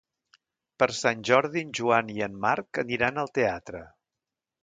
Per Sant Jordi en Joan i en Marc aniran al teatre.